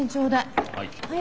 はい。